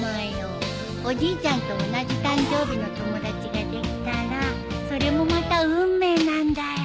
おじいちゃんと同じ誕生日の友達ができたらそれもまた運命なんだよ。